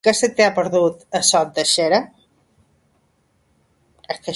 Què se t'hi ha perdut, a Sot de Xera?